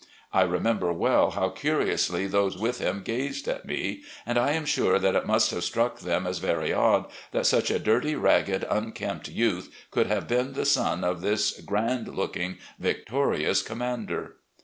I remember well how curiously those with him gazed at me, and I am sure that it must have struck them as very odd that such a dirty, ragged, unkempt youth could have been the son of this grand looldng victorious commander.